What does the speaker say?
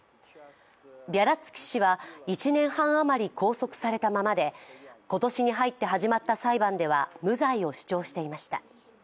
ビャリャツキ氏は１年半余り拘束されたままで今年に入って始まった裁判では無罪を主張していました。